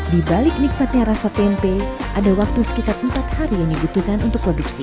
di balik nikmatnya rasa tempe ada waktu sekitar empat hari yang dibutuhkan untuk produksi